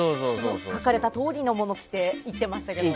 書かれたとおりのものを着て行ってましたけど。